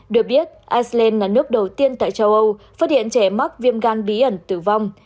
được biết iceland là nước đầu tiên tại châu âu phát hiện trẻ mắc viêm gan bí ẩn tử vong